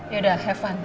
yaudah have fun